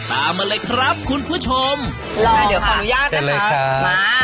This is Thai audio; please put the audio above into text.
ตามมาเลยครับคุณผู้ชมลองค่ะเดี๋ยวของยากนะครับมา